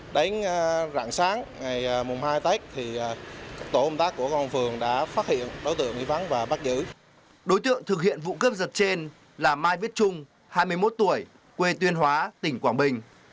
đối tượng thực hiện vụ cướp giật trên là mai viết trung hai mươi một tuổi quê tuyên hóa tỉnh quảng bình